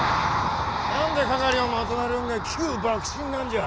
何で掛をまとめるんが旧幕臣なんじゃ。